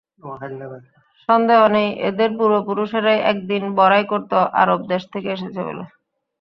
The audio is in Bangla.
সন্দেহ নেই, এদের পূর্বপুরুষেরাই একদিন বড়াই করত আরব দেশ থেকে এসেছে বলে।